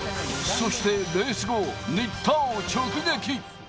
そしてレース後、新田を直撃。